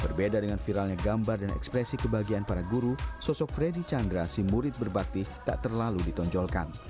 berbeda dengan viralnya gambar dan ekspresi kebahagiaan para guru sosok freddy chandra si murid berbakti tak terlalu ditonjolkan